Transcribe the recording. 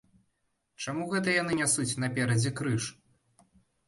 Чаму гэта яны нясуць наперадзе крыж?